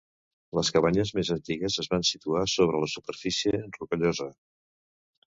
Les cabanyes més antigues es van situar sobre la superfície rocallosa.